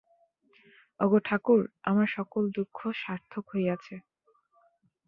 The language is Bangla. ওগো ঠাকুর, আমার সকল দুঃখ সার্থক হইয়াছে।